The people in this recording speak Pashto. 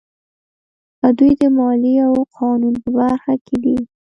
دوی د مالیې او قانون په برخه کې دي.